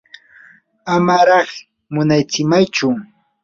amaraq munatsimaychu.